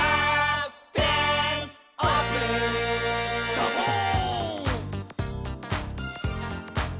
「サボーン！」